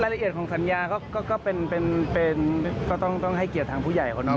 รายละเอียดของสัญญาก็ต้องให้เกียรติทางผู้ใหญ่ของน้อง